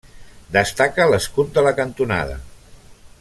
Destaca l'escut de la cantonada.